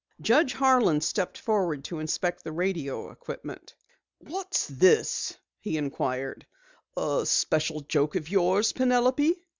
Judge Harlan stepped forward to inspect the radio equipment. "What is this?" he inquired. "A special joke of yours, Penelope?"